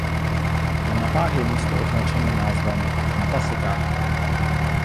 Na mapách je místo označeno názvem "Na Pasekách".